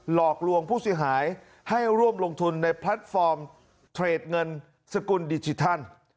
หลอกลวงผู้เสียหายให้ร่วมลงทุนในแพลตฟอร์มเทรดเงินสกุลดิจิทัล